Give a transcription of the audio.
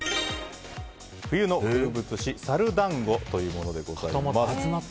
冬の風物詩、猿団子というものでございます。